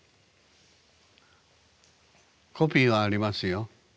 コピーはありますよ。